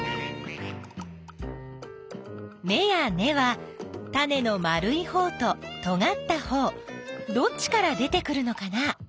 めや根はタネの丸いほうととがったほうどっちから出てくるのかな？